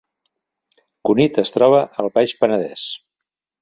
Cunit es troba al Baix Penedès